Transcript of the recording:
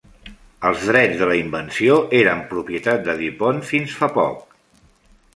Els drets de la invenció eren propietat de DuPont fins fa poc.